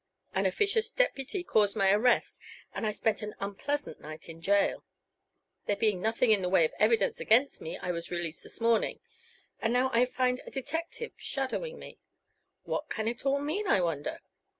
An officious deputy caused my arrest and I spent an unpleasant night in jail. There being nothing in the way of evidence against me I was released this morning, and now I find a detective shadowing me. What can it all mean, I wonder?